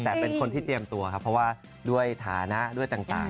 แต่เป็นคนที่เจียมตัวด้วยฐานะทั้ง